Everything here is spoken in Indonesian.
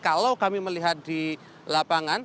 kalau kami melihat di lapangan